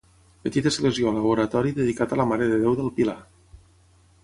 Petita esglesiola o oratori dedicat a la mare de Déu del Pilar.